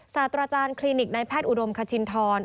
ศาสตราจารย์คลินิกในแพทย์อุดมคชินทร